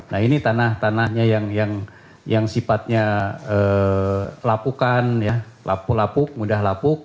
nah ini tanah tanahnya yang sifatnya lapukan mudah lapuk